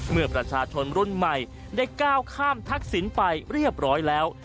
เมื่อประชาชนรุ่นใหม่ได้ก้าวข้ามทักษิณไปเรียบร้อยแล้ว